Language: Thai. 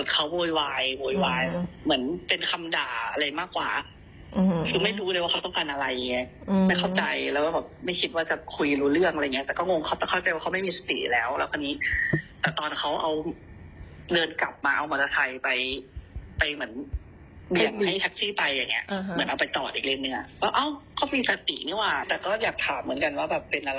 ขอบคุณครับ